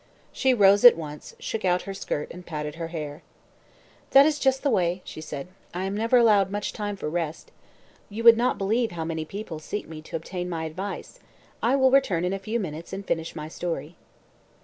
She rose at once, shook out her skirt, and patted her hair. "That is just the way," she said. "I am never allowed much time for rest. You would not believe how many people seek me to obtain my advice. I will return in a few minutes and finish my story."